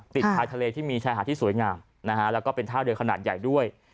ติดชายทะเลที่มีชายหาดที่สวยงามนะฮะแล้วก็เป็นท่าเรือขนาดใหญ่ด้วย